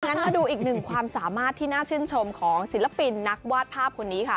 มาดูอีกหนึ่งความสามารถที่น่าชื่นชมของศิลปินนักวาดภาพคนนี้ค่ะ